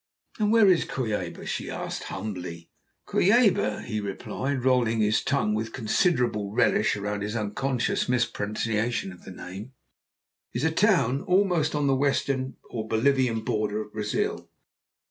"And where is Cuyaba?" she asked humbly. "Cuyaba," he replied, rolling his tongue with considerable relish round his unconscious mispronunciation of the name, "is a town almost on the western or Bolivian border of Brazil.